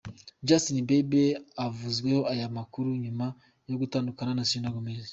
Justin Bieber avuzweho aya makuru nyuma yo gutandukana na Selena Gomez.